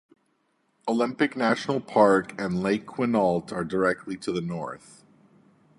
Olympic National Park and Lake Quinault are directly to the north.